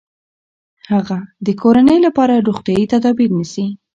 هغه د کورنۍ لپاره روغتیايي تدابیر نیسي.